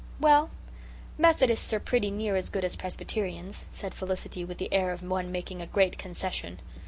"Well, Methodists are pretty near as good as Presbyterians," said Felicity, with the air of one making a great concession.